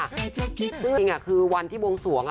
คือจริงคือวันที่บวงสวงอะ